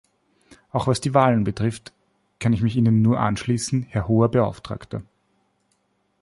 Auch was die Wahlen betrifft, kann ich mich Ihnen nur anschließen, Herr Hoher Beauftragter.